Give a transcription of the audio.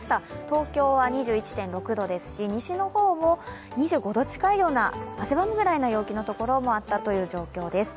東京は２１．６度ですし、西の方も２５度近いような汗ばむくらいの陽気のところもあったということです。